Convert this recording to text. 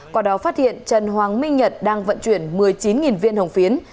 qua đó phát hiện trần hoàng minh nhật đang vận chuyển một mươi chín viên hồng phiến